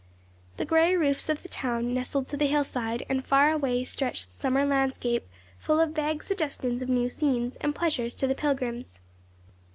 The grey roofs of the town nestled to the hillside, and far away stretched the summer landscape, full of vague suggestions of new scenes and pleasures to the pilgrims.